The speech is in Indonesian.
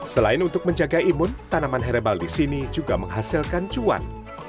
selain untuk menjaga imun tanaman herbal di sini juga menghasilkan cuan